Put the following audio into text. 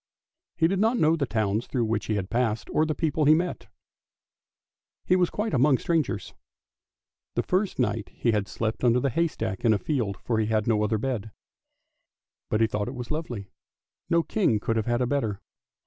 He did not know the towns through which he passed, or the people he met, he was quite among strangers. The first night he had to sleep under a haystack in a field, for he had no other bed. But he thought it was lovely, no king could have had a better.